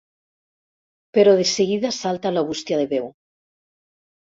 Però de seguida salta la bústia de veu.